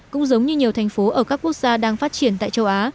cũng giống như nhiều thành phố ở các quốc gia đang phát triển tại châu á